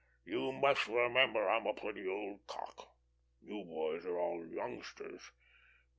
You must remember I'm a pretty old cock. You boys are all youngsters.